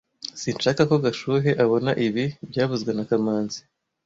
Sinshaka ko Gashuhe abona ibi byavuzwe na kamanzi